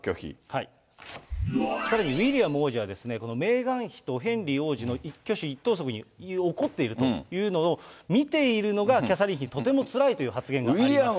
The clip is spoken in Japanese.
さらにウィリアム王子は、メーガン妃とヘンリー王子の一挙手一投足に怒っているというのを見ているのが、キャサリン妃、とてもつらいという発言があります。